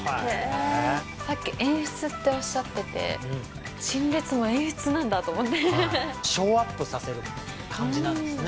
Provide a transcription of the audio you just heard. さっき演出っておっしゃってて陳列も演出なんだと思ってショーアップさせる感じなんですね